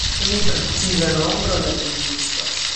Pli preciza nombro ne ekzistas.